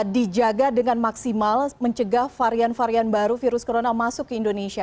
dijaga dengan maksimal mencegah varian varian baru virus corona masuk ke indonesia